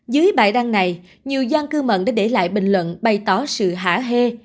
dưới bài đăng này nhiều gian cư mận đã để lại bình luận bày tỏ sự hả hê